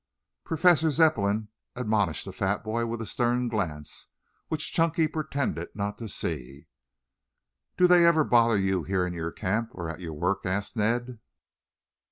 Professor Zepplin admonished the fat boy with a stern glance, which Chunky pretended not to see. "Do they ever bother you here in your camp or at your work?" asked Ned.